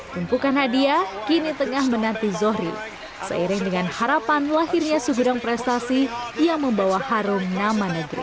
tumpukan hadiah kini tengah menanti zohri seiring dengan harapan lahirnya segudang prestasi yang membawa harum nama negeri